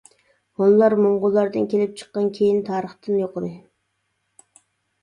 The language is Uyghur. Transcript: ھونلار موڭغۇللاردىن كېلىپ چىققان كېيىن تارىختىن يوقىدى.